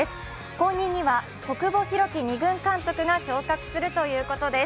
後任には小久保裕紀二軍監督が就任するということです。